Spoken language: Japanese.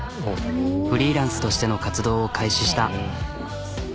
フリーランスとしての活動を開始した。